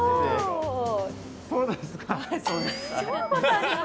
そうです。